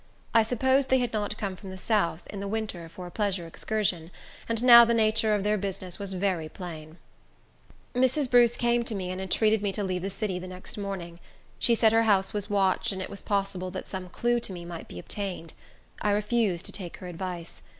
I supposed they had not come from the south, in the winter, for a pleasure excursion; and now the nature of their business was very plain. Mrs. Bruce came to me and entreated me to leave the city the next morning. She said her house was watched, and it was possible that some clew to me might be obtained. I refused to take her advice.